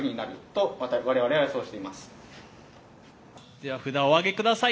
では札をお上げ下さい。